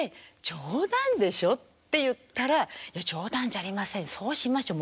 冗談でしょ？」って言ったら「冗談じゃありませんそうしましょう。